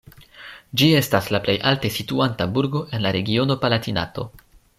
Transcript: Ĝi estas la plej alte situanta burgo en la regiono Palatinato.